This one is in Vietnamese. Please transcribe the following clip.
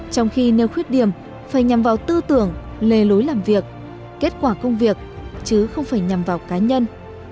trong khi nêu khuyết điểm phải nhằm vào tư tưởng lề lối làm việc kết quả công việc chứ không phải nhằm vào cá nhân